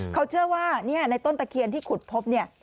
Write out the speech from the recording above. เขาเชื่อว่าในต้นตะเคียนที่ขุดพบเนี่ย